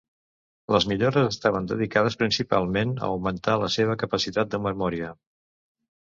Les millores estaven dedicades principalment a augmentar la seva capacitat de memòria.